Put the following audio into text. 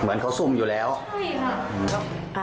เหมือนเขาซุ่มอยู่แล้วใช่ค่ะ